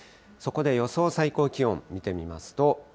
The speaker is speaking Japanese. そこで予想最高気温、見てみますと。